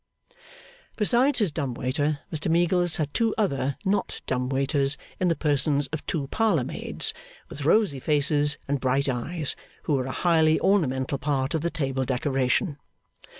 Besides his dumb waiter, Mr Meagles had two other not dumb waiters in the persons of two parlour maids with rosy faces and bright eyes, who were a highly ornamental part of the table decoration.